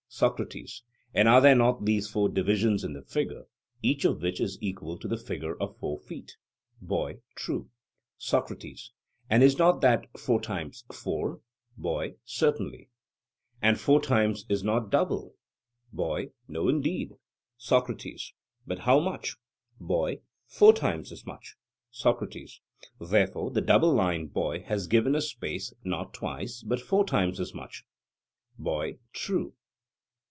SOCRATES: And are there not these four divisions in the figure, each of which is equal to the figure of four feet? BOY: True. SOCRATES: And is not that four times four? BOY: Certainly. SOCRATES: And four times is not double? BOY: No, indeed. SOCRATES: But how much? BOY: Four times as much. SOCRATES: Therefore the double line, boy, has given a space, not twice, but four times as much. BOY: True.